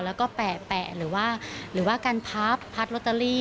แล้วก็แปะหรือว่ากันพับพัดลอตเตอรี่